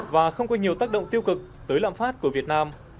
và không có nhiều tác động tiêu cực tới lạm phát của việt nam